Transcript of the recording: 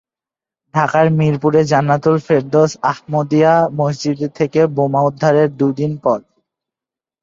ঢাকার মিরপুরে জান্নাতুল ফেরদৌস আহমদিয়া মসজিদ থেকে বোমা উদ্ধারের দুই দিন পর।